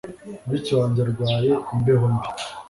Mushiki wanjye arwaye imbeho mbi.